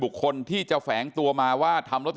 อันนี้แม่งอียางเนี่ย